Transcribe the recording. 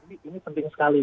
ini penting sekali